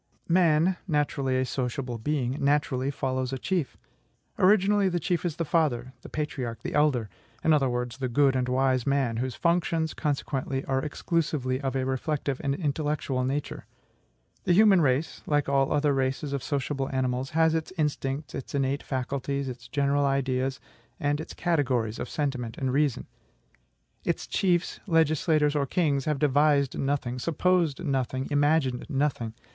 Man (naturally a sociable being) naturally follows a chief. Originally, the chief is the father, the patriarch, the elder; in other words, the good and wise man, whose functions, consequently, are exclusively of a reflective and intellectual nature. The human race like all other races of sociable animals has its instincts, its innate faculties, its general ideas, and its categories of sentiment and reason. Its chiefs, legislators, or kings have devised nothing, supposed nothing, imagined nothing.